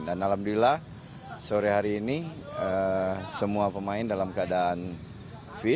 dan alhamdulillah sore hari ini semua pemain dalam keadaan fit